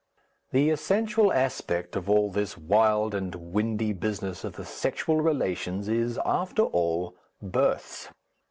The essential aspect of all this wild and windy business of the sexual relations is, after all, births.